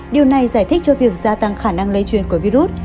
điều này giải thích cho việc gia tăng khả năng lây truyền của virus